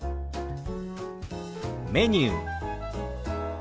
「メニュー」。